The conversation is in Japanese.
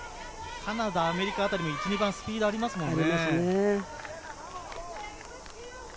カナダ、アメリカあたりも１番はスピードがありますよね。